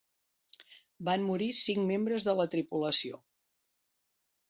Van morir cinc membres de la tripulació.